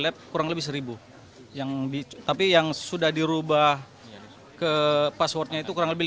lab kurang lebih seribu yang tapi yang sudah dirubah ke passwordnya itu kurang lebih lima puluh an